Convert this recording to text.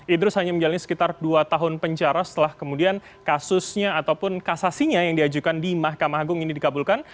idrus hanya menjalani sekitar dua tahun penjara setelah kemudian kasusnya ataupun kasasinya yang diajukan di mahkamah agung ini dikabulkan